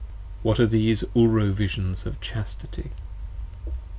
what are these Ulro Visions of Chastity?